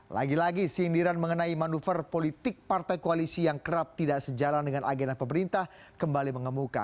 lagi lagi sindiran mengenai manuver politik partai koalisi yang kerap tidak sejalan dengan agenda pemerintah kembali mengemuka